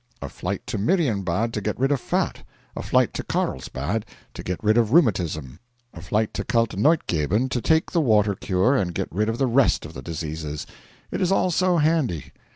A flight to Marienbad to get rid of fat; a flight to Carlsbad to get rid of rheumatism; a flight to Kalteneutgeben to take the water cure and get rid of the rest of the diseases. It is all so handy.